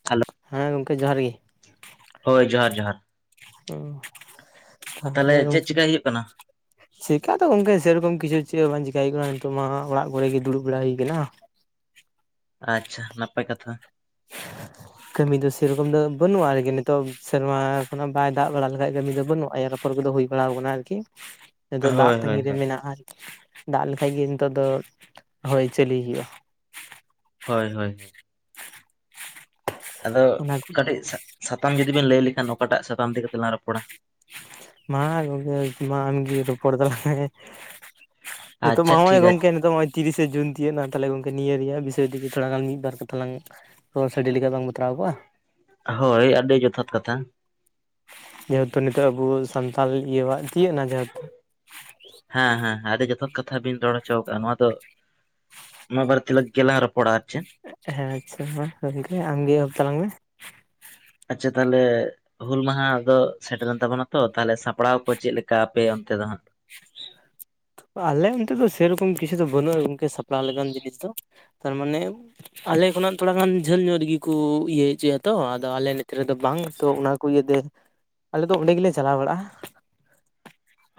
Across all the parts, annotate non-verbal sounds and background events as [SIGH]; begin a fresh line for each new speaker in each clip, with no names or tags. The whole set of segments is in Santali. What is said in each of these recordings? [INAUDIBLE]
ᱦᱮᱸ ᱜᱚᱝᱠᱮ ᱡᱚᱦᱟᱨ ᱜᱮ ᱾
ᱦᱳᱭ ᱡᱚᱦᱟᱨ ᱡᱚᱦᱟᱨ ᱾
ᱦᱩᱸ ᱛᱟᱨ
ᱛᱟᱦᱚᱞᱮ
ᱯᱚᱨᱮ
ᱪᱮᱫ
ᱜᱚᱝᱠᱮ
ᱪᱤᱠᱟᱭ ᱦᱩᱭᱩᱜ ᱠᱟᱱᱟ
ᱪᱮᱠᱟᱹ ᱫᱚ ᱜᱚᱝᱠᱮ ᱥᱮᱨᱚᱠᱚᱢ ᱠᱤᱪᱷᱩ ᱪᱮᱫ ᱦᱚᱸ ᱵᱟᱝ ᱪᱮᱠᱟᱹᱭ ᱦᱩᱭᱩᱜ ᱠᱟᱱᱟ, ᱱᱤᱛᱚᱜ ᱢᱟ ᱚᱲᱟᱜ ᱠᱚᱨᱮ ᱜᱮ ᱫᱩᱲᱩᱵ ᱵᱟᱲᱟ‌ ᱦᱩᱭ ᱠᱟᱱᱟ ᱾
ᱟᱪᱪᱷᱟ ᱱᱟᱯᱟᱭ ᱠᱟᱛᱷᱟ ᱾
ᱠᱟᱹᱢᱤ ᱫᱚ ᱥᱮᱨᱚᱠᱚᱢ ᱫᱚ ᱵᱟᱹᱱᱩᱜᱼᱟ, ᱟᱨᱠᱤ ᱱᱤᱛᱚᱜ ᱥᱮᱨᱢᱟ ᱠᱷᱚᱱᱟᱜ ᱵᱟᱭ ᱫᱟᱜ ᱵᱟᱲᱟ ᱞᱮᱠᱷᱟᱡ ᱫᱚ ᱠᱟᱹᱢᱤ ᱵᱟᱹᱱᱩᱜᱼᱟ, ᱮᱨ ᱟᱯᱷᱚᱨ ᱠᱚᱫᱚ ᱦᱩᱭ ᱵᱟᱲᱟ ᱠᱟᱱᱟ ᱟᱨᱠᱤ ᱱᱤᱛᱚᱜ ᱫᱟᱜ
ᱦᱳᱭ ᱦᱳᱭ
ᱛᱟᱜᱤ ᱨᱮ
ᱦᱳᱭ
ᱢᱮᱱᱟᱜᱼᱟ, ᱫᱟᱜ ᱞᱮᱠᱷᱟᱡ ᱜᱮ ᱱᱤᱛᱚᱜ ᱫᱚ ᱦᱳᱭ ᱪᱟᱹᱞᱩᱭ ᱦᱩᱭᱩᱜᱼᱟ᱾
ᱦᱳᱭ ᱦᱳᱭ ᱾ ᱟᱫᱚ
ᱚᱱᱟ ᱠᱚ᱾
ᱠᱟᱹᱴᱤᱡ ᱥᱟᱛᱟᱢ ᱡᱩᱫᱤ ᱵᱮᱱ ᱞᱟᱹᱭ ᱞᱮᱠᱷᱟᱱ, ᱚᱠᱟᱴᱟᱜ ᱥᱟᱛᱟᱢ ᱛᱮᱜᱮ ᱠᱟᱛᱮ ᱞᱟᱝ ᱨᱚᱯᱚᱲᱟ
ᱢᱟ ᱜᱚᱢᱠᱮ ᱜᱮ ᱢᱟ ᱟᱢᱜᱤ ᱨᱚᱯᱚᱲ ᱛᱟᱯᱟᱢ ᱢᱮ ᱾ ᱱᱤᱛᱚᱜ
ᱟᱪᱪᱷᱟ
ᱢᱟ ᱦᱚᱸᱭ
ᱴᱷᱤᱠ ᱟᱪᱷᱮ
ᱜᱚᱢᱠᱮ ᱱᱤᱛᱚᱜ ᱢᱟ ᱛᱤᱨᱤᱥᱮ ᱡᱩᱱ ᱛᱤᱭᱳᱜ ᱱᱟ, ᱛᱟᱦᱚᱞᱮ ᱜᱚᱝᱠᱮ ᱱᱤᱭᱟᱹ ᱨᱮᱭᱟᱜ ᱵᱤᱥᱚᱭ ᱛᱮᱜᱮ ᱛᱷᱚᱲᱟ ᱜᱟᱱ ᱢᱤᱫ ᱵᱟᱨ ᱠᱟᱛᱷᱟ ᱞᱟᱝ ᱨᱚᱲ ᱥᱟᱰᱮ ᱞᱮᱠᱟ ᱵᱟᱝ ᱵᱟᱛᱨᱟᱣ ᱠᱚᱜᱼᱟ
ᱦᱳᱭ ᱟᱹᱰᱤ ᱡᱚᱛᱷᱟᱛ ᱠᱟᱛᱷᱟ ᱾
ᱡᱮᱦᱮᱛᱩ ᱱᱤᱛᱚᱜ ᱟᱵᱚ ᱥᱟᱱᱛᱟᱞ ᱤᱭᱟᱹ ᱛᱤᱭᱳᱜ ᱮᱱᱟ ᱡᱮᱦᱮᱛᱩ
ᱦᱮᱸ ᱦᱮᱸ ᱦᱮᱸ ᱟᱫᱚ ᱡᱚᱛ ᱠᱟᱛᱷᱟ ᱵᱤᱱ ᱨᱚᱲ ᱦᱚᱪᱚ ᱟᱠᱟᱫᱼᱟ ᱱᱚᱣᱟ ᱫᱚ ᱱᱚᱭᱟ ᱵᱟᱨᱤᱛᱮ ᱠᱮᱞᱟᱝ ᱨᱚᱯᱚᱲᱟ ᱟᱨ ᱪᱮᱫ?
ᱦᱮᱸ ᱟᱪᱪᱷᱟ ᱢᱟ ᱟᱢᱜᱮ ᱮᱦᱚᱵ ᱛᱟᱞᱟᱝ ᱢᱮ ᱾
ᱟᱪᱪᱷᱟ ᱛᱟᱦᱚᱞᱮ ᱦᱩᱞ ᱢᱟᱦᱟ ᱫᱚ ᱥᱮᱴᱮᱨ ᱨᱮᱱ ᱛᱟᱵᱚᱱᱟ ᱛᱚ, ᱛᱟᱦᱚᱞᱮ ᱥᱟᱯᱲᱟᱣ ᱠᱚ ᱪᱮᱫ ᱞᱮᱠᱟ ᱟᱯᱮ ᱚᱱᱛᱮ ᱫᱚ ᱦᱟᱸᱜ?
ᱟᱞᱮ ᱚᱱᱛᱮ ᱫᱚ ᱥᱮᱨᱚᱠᱚᱢ ᱠᱤᱪᱷᱩ ᱫᱚ ᱵᱟᱹᱱᱩᱜᱼᱟ, ᱜᱚᱝᱠᱮ ᱥᱟᱯᱲᱟᱣ ᱞᱮᱠᱟᱱ ᱡᱤᱱᱤᱥ ᱫᱚ ᱛᱟᱨ ᱢᱟᱱᱮ ᱟᱞᱮ ᱠᱷᱚᱱᱟᱜ ᱛᱷᱚᱲᱟ ᱜᱟᱱ ᱡᱷᱟᱹᱞ ᱧᱚᱜ ᱨᱮᱜᱮ ᱠᱚ ᱤᱭᱟᱹ ᱦᱚᱪᱚᱭᱟ ᱛᱚ, ᱟᱫᱚ ᱟᱞᱮ ᱱᱚᱛᱮ ᱨᱮᱫᱚ ᱵᱟᱝ ᱛᱚ ᱚᱱᱟ ᱠᱚ ᱤᱭᱟᱹ ᱛᱮ, ᱟᱞᱮ ᱫᱚ ᱚᱸᱰᱮ ᱜᱮᱞᱮ ᱪᱟᱞᱟᱣ ᱵᱟᱲᱟᱜᱼᱟ᱾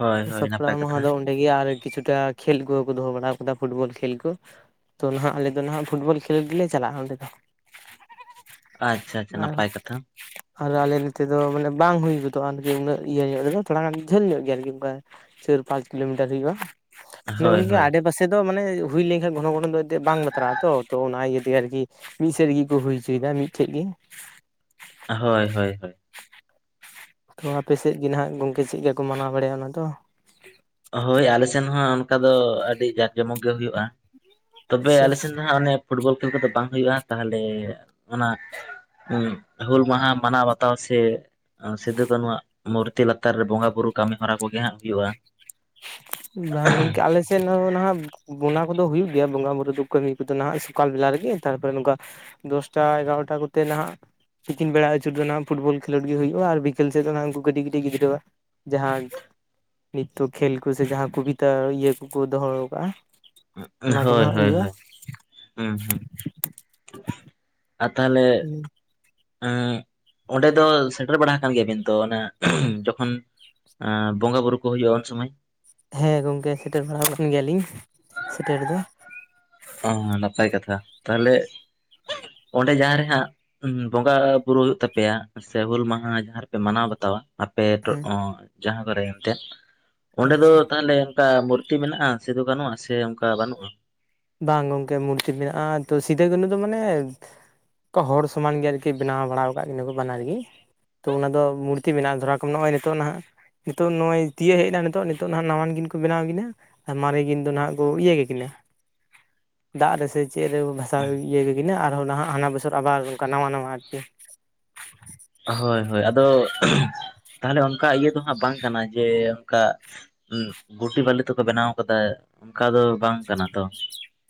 ᱦᱳᱭ
ᱛᱚ
ᱦᱳᱭ
ᱥᱟᱯᱲᱟᱣ
ᱱᱟᱯᱟᱭ
ᱢᱟᱦᱟ
ᱠᱟᱛᱷᱟ
ᱫᱚ ᱟᱨ ᱠᱤᱪᱷᱩᱴᱟ ᱠᱷᱮᱞ ᱠᱚ ᱫᱚᱦᱚ ᱵᱟᱲᱟ ᱟᱠᱟᱫᱟ ᱯᱷᱩᱴᱵᱚᱞ ᱠᱷᱮᱞ ᱠᱚ ᱛᱚ ᱱᱟᱦᱟᱜ ᱟᱞᱮ ᱫᱚ ᱱᱟᱦᱟᱜ ᱯᱷᱩᱴᱵᱚᱞ ᱠᱷᱮᱞᱳᱰ ᱜᱮᱞᱮ ᱪᱟᱞᱟᱜᱼᱟ, ᱚᱸᱰᱮ ᱫᱚ
ᱟᱪᱪᱷᱟ ᱟᱪᱪᱷᱟ
ᱟᱨ
ᱱᱟᱯᱟᱭ ᱠᱟᱛᱷᱟ ᱾
ᱟᱨ ᱟᱞᱮ ᱱᱚᱛᱮ ᱫᱚ ᱢᱟᱱᱮ ᱵᱟᱝ ᱦᱩᱭ ᱜᱚᱫᱚᱜᱼᱟ, ᱟᱨᱠᱤ ᱩᱱᱟᱹᱜ ᱤᱭᱟᱹ ᱧᱚᱜ ᱨᱮᱫᱚ ᱛᱷᱚᱲᱟ ᱜᱟᱱ ᱡᱟᱹᱞ ᱧᱚᱜ ᱜᱮᱭᱟ ᱟᱨᱠᱤ ᱚᱱᱠᱟ ᱪᱟᱹᱨ ᱯᱟᱸᱪ ᱠᱤᱞᱳᱢᱤᱴᱟᱨ ᱦᱩᱭᱩᱜᱼᱟ, ᱢᱟᱱᱮ
ᱦᱳᱭ
ᱜᱚᱝᱠᱮ
ᱦᱳᱭ
ᱟᱰᱮ ᱯᱟᱥᱮ ᱛᱮᱫᱚ ᱢᱟᱱᱮ ᱦᱩᱭ ᱞᱮᱱ ᱠᱷᱟᱱ ᱜᱷᱚᱱᱚ ᱜᱷᱚᱱᱚ ᱮᱱᱛᱮᱫ ᱵᱟᱝ ᱵᱟᱛᱨᱟᱜᱼᱟ ᱛᱚ, ᱛᱚ ᱚᱱᱟ ᱤᱭᱟᱹ ᱛᱮ ᱟᱨᱠᱤ ᱢᱤᱫ ᱥᱮᱫ ᱨᱮᱜᱮ ᱠᱚ ᱦᱩᱭ ᱦᱚᱪᱚᱭ ᱫᱟ ᱢᱤᱫᱴᱷᱮᱱ ᱜᱮ ᱾
ᱦᱳᱭ ᱦᱳᱭ ᱦᱳᱭ ᱾
ᱛᱚ ᱟᱯᱮ ᱥᱮᱫ ᱜᱮ ᱱᱟᱦᱟᱜ ᱜᱚᱝᱠᱮ ᱪᱮᱫ ᱞᱮᱠᱟ ᱠᱚ ᱢᱟᱱᱟᱣ ᱵᱟᱲᱟᱭᱟ ᱚᱱᱟ ᱫᱚ?
ᱦᱳᱭ ᱟᱞᱮ ᱥᱮᱱ ᱦᱚᱸ ᱚᱱᱠᱟ ᱫᱚ ᱟᱹᱰᱤ ᱡᱟᱠ ᱡᱚᱢᱚᱠ ᱜᱮ ᱦᱩᱭᱩᱜᱼᱟ ᱛᱚᱵᱮ
ᱟᱪᱪᱷᱟ
ᱟᱞᱮ ᱥᱮᱱ ᱫᱚ ᱦᱟᱸᱜ ᱚᱱᱮ ᱯᱷᱩᱴᱵᱚᱞ ᱠᱷᱹᱮᱞ ᱠᱚᱫᱚ ᱵᱟᱝ ᱦᱩᱭᱩᱜᱼᱟ᱾ ᱛᱟᱦᱚᱞᱮ ᱚᱱᱟ ᱦᱩᱞ ᱢᱟᱦᱟ ᱢᱟᱱᱟᱣ ᱵᱟᱛᱟᱣ ᱥᱮ ᱥᱤᱫᱩ ᱠᱟᱹᱱᱩᱣᱟᱜ ᱢᱩᱨᱛᱤ ᱞᱟᱛᱟᱨ ᱨᱮ, ᱵᱚᱸᱜᱟ ᱵᱩᱨᱩ ᱠᱟᱹᱢᱤ ᱦᱚᱨᱟ ᱠᱚᱜᱮ ᱦᱟᱸᱜ ᱦᱩᱭᱩᱜᱼᱟ᱾
ᱵᱟᱝ ᱜᱚᱝᱠᱮ ᱟᱞᱮ ᱥᱮᱫ ᱦᱚᱸ ᱱᱟᱦᱟᱜ ᱵᱚᱱᱟ ᱫᱚ ᱦᱩᱭᱩᱜ ᱜᱮᱭᱟ᱾ ᱵᱚᱸᱜᱟ ᱵᱩᱨᱩ ᱫᱚ ᱠᱟᱹᱢᱤ ᱠᱚᱫᱚ ᱱᱟᱦᱟᱜ ᱥᱚᱠᱟᱞ ᱵᱮᱞᱟ ᱨᱮᱜᱮ ᱛᱟᱨᱯᱚᱨᱮ ᱱᱚᱝᱠᱟ ᱫᱚᱥᱴᱟ ᱮᱜᱟᱨᱚᱴᱟ ᱠᱚᱛᱮ ᱱᱟᱦᱟᱜ ᱛᱤᱠᱤᱱ ᱵᱮᱲᱟ ᱟᱹᱪᱩᱨ ᱫᱚ ᱦᱱᱟᱜ ᱯᱷᱩᱴᱵᱚᱞ ᱠᱷᱮᱞᱳᱰ ᱜᱮ ᱦᱩᱭᱩᱜᱼᱟ, ᱟᱨ ᱵᱤᱠᱮᱞ ᱥᱮᱫ ᱫᱚᱜ ᱩᱱᱠᱩ ᱠᱟᱹᱴᱤᱡ ᱠᱟᱹᱴ ᱜᱤᱫᱽᱨᱟ ᱡᱟᱦᱟᱸᱜ ᱛᱚ ᱠᱷᱮᱞ ᱠᱚᱥᱮ ᱡᱟᱦᱟᱸ ᱠᱚᱵᱤᱛᱟ ᱤᱭᱟᱹ ᱠᱚᱠᱚ ᱫᱚᱦᱚ ᱠᱟᱫᱼᱟ, ᱚᱱᱟ ᱠᱚᱨᱮ
ᱦᱳᱭ
ᱦᱟᱸᱜ
ᱦᱳᱭ
ᱦᱩᱭᱩᱜᱼᱟ᱾
ᱦᱳᱭ ᱦᱩᱸ ᱦᱩᱸ ᱟᱨ ᱛᱟᱦᱞᱮ
ᱦᱸ
ᱟᱸᱜ ᱚᱸᱰᱮ ᱫᱚ ᱥᱮᱴᱮᱨ ᱵᱟᱲᱟ ᱟᱠᱟᱱ ᱜᱮᱭᱟᱵᱤᱱ ᱛᱚ, ᱚᱱᱮ ᱡᱚᱠᱷᱚᱱ ᱵᱚᱸᱜᱟ ᱵᱩᱨᱩ ᱠᱚ ᱦᱩᱭᱩᱜᱼᱟ ᱩᱱ ᱥᱩᱚᱢᱟᱹᱭ?
ᱦᱮᱸ ᱜᱚᱝᱠᱮ ᱥᱮᱴᱮᱨ ᱵᱟᱲᱟ ᱠᱟᱱ ᱜᱮᱭᱟᱞᱤᱧ ᱥᱮᱴᱮᱨ ᱫᱚ᱾
ᱚ ᱱᱟᱯᱟᱭ ᱠᱟᱛᱷᱟ, ᱛᱟᱦᱚᱞᱮ ᱚᱸᱰᱮ ᱡᱟᱦᱟᱸ ᱨᱮ ᱦᱟᱸᱜ ᱵᱚᱸᱜᱟ ᱵᱩᱨᱩᱳᱭᱜ ᱛᱟᱯᱮᱭᱟ, ᱥᱮ ᱦᱩᱞ ᱢᱟᱦᱟ ᱡᱟᱦᱟᱸ ᱨᱮᱯᱮ ᱢᱟᱱᱟᱣ ᱵᱟᱛᱟᱣᱟ, ᱟᱯᱮ ᱴᱚ
ᱦᱮᱸ
ᱡᱟᱦᱟᱸ ᱠᱚᱨᱮ ᱮᱱᱛᱮᱛ ᱚᱸᱰᱮ ᱫᱚ
ᱟᱪᱪᱷᱟ
ᱛᱟᱦᱚᱞᱮ ᱚᱱᱠᱟ ᱢᱩᱨᱛᱤ ᱢᱮᱱᱟᱜᱼᱟ, ᱥᱤᱫᱩ ᱠᱟᱹᱱᱩ ᱟ ᱥᱮ ᱚᱱᱠᱟ ᱵᱟᱹᱱᱩᱜᱼᱟ?
ᱵᱟᱝ ᱜᱚᱝᱠᱮ ᱢᱩᱨᱛᱤ ᱢᱮᱱᱟᱜᱼᱟ, ᱛᱚ ᱥᱤᱫᱩ ᱠᱟᱹᱱᱩ ᱫᱚ ᱢᱟᱱᱮ ᱛᱚ ᱦᱚᱲ ᱥᱚᱢᱟᱱ ᱜᱮ ᱟᱨᱠᱤ ᱵᱮᱱᱟᱣ ᱵᱟᱲᱟ ᱟᱠᱟᱫ ᱠᱤᱱᱟ ᱠᱚ ᱵᱟᱱᱟᱨ ᱜᱤ, ᱛᱚ ᱚᱱᱟᱫᱚ ᱢᱩᱨᱛᱤ ᱢᱮᱱᱟᱜᱼᱟ ᱫᱷᱚᱨᱟ ᱠᱚ ᱱᱚᱜᱼᱚᱭ ᱱᱤᱛᱚᱜ ᱱᱟᱦᱟᱜ ᱱᱤᱛᱚᱜ ᱱᱚᱜᱼᱚᱭ ᱛᱤᱭᱟᱹᱜ ᱦᱮᱡ ᱮᱱᱟ ᱱᱤᱛᱚᱜ ᱱᱤᱛᱚᱜ ᱦᱦᱜ ᱱᱟᱣᱟᱱ ᱠᱤᱱ ᱠᱚ ᱵᱮᱱᱟᱣ ᱠᱤᱱᱟ᱾ ᱟᱨ ᱢᱟᱨᱮ ᱠᱤᱱ ᱫᱚ ᱱᱟᱸᱦᱟᱜ ᱠᱚ ᱤᱭᱟᱹ ᱜᱮᱠᱤᱱᱟ ᱾ ᱫᱟᱜ ᱨᱮᱥᱮ ᱪᱮᱫ ᱨᱮ ᱵᱷᱟᱥᱟᱣ ᱤᱭᱟᱹ ᱠᱤᱱᱟ ᱟᱨᱦᱚᱸ ᱱᱟᱸᱦᱟᱜ ᱦᱟᱱᱟ ᱵᱚᱪᱷᱚᱨ ᱟᱵᱟᱨ ᱱᱟᱣᱟ ᱱᱟᱣᱟ ᱟᱨᱠᱤ ᱾
ᱦᱳᱭ ᱦᱳᱭ ᱟᱫᱚ ᱛᱟᱦᱚᱞᱮ ᱚᱱᱠᱟ ᱤᱭᱟᱹ ᱫᱚ ᱦᱟᱸᱜ ᱵᱟᱝ ᱠᱟᱱᱟ ᱡᱮ ᱚᱱᱠᱟ ᱜᱩᱴᱤ ᱵᱟᱞᱤ ᱛᱮᱠᱚ ᱵᱮᱱᱟᱣ ᱠᱟᱫᱟ ᱚᱱᱠᱟ ᱫᱚ ᱵᱟᱝ ᱠᱟᱱᱟ ᱛᱚ?